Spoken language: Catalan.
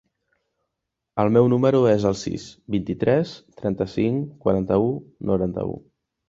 El meu número es el sis, vint-i-tres, trenta-cinc, quaranta-u, noranta-u.